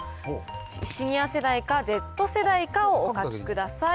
シニア世代かＺ世代かをお書きください。